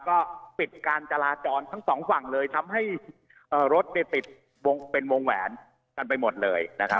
ก็ปิดการจราจรทั้งสองฝั่งเลยทำให้รถติดวงเป็นวงแหวนกันไปหมดเลยนะครับ